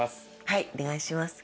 はいお願いします。